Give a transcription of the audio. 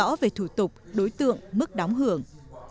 rõ về thủ tục đối tượng mức đóng hưởng